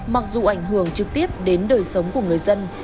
mặc dù ảnh hưởng trực tiếp đến đời sống của người dân